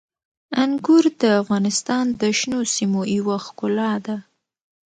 انګور د افغانستان د شنو سیمو یوه ښکلا ده.